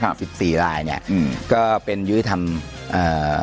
สิบสี่รายเนี้ยอืมก็เป็นยุติธรรมอ่า